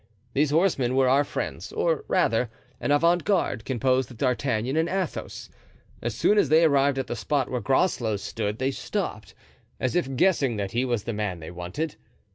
These horsemen were our friends, or rather, an avant garde, composed of D'Artagnan and Athos. As soon as they arrived at the spot where Groslow stood they stopped, as if guessing that he was the man they wanted.